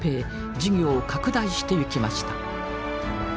事業を拡大していきました。